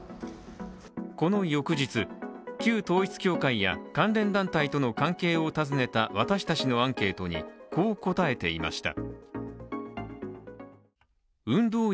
この翌日、旧統一教会や関連団体との関係を尋ねた私たちのアンケートに、こう答えていました。